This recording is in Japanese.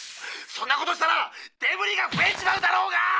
そんなことしたらデブリが増えちまうだろうが！